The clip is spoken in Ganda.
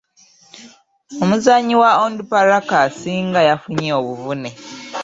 Omuzanyi wa Onduparaka asinga yafunye obuvune.